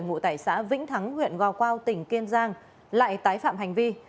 ngụ tại xã vĩnh thắng huyện gò quao tỉnh kiên giang lại tái phạm hành vi